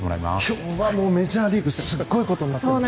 今日はメジャーリーグすごいことになってるんですよ。